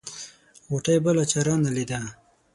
غوټۍ بله چاره نه ليده.